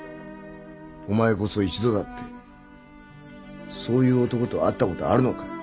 お前こそ一度だってそういう男と会った事があるのかい？